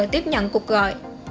tiếp nhận cuộc gọi